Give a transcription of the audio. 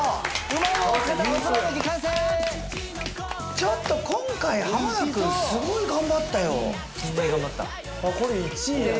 ちょっと今回田君すごい頑張ったよきてる！